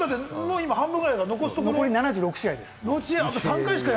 残り７６試合です。